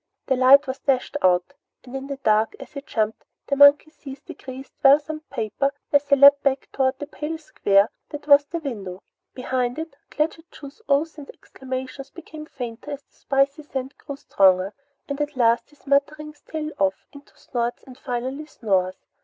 The light was dashed out, and in the dark as he jumped, the monkey seized the creased, well thumbed paper as he leaped back toward the pale square that was the window. Behind it Claggett Chew's oaths and exclamations became fainter as the spicy scent grew stronger, and at last his mutterings trailed off into snorts and, finally, snores.